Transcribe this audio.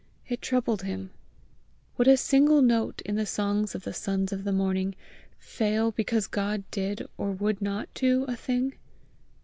It troubled him. Would a single note in the song of the sons of the morning fail because God did or would not do a thing?